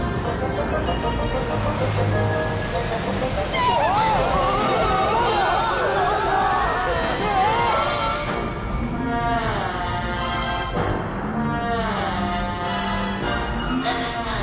うわ！はあ。